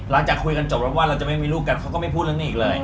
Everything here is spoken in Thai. หลังจากคุยกันจบแล้วว่าเราจะไม่มีลูกกันเขาก็ไม่พูดเรื่องนี้อีกเลย